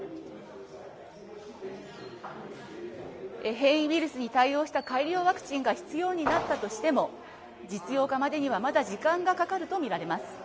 変異ウイルスに対応した改良ワクチンが必要になったとしても実用化までにはまだ時間がかかると見られます。